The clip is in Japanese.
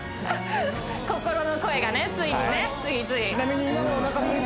心の声がねついにね